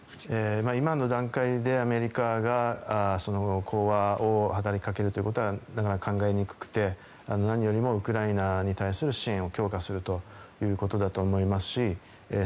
今の段階でアメリカが講和を働きかけるということはなかなか考えにくくて何よりもウクライナに対する支援を強化するということだと思いますし